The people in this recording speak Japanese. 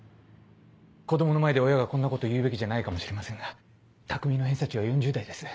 子供の前で親がこんなことを言うべきじゃないかもしれませんが匠の偏差値は４０台です。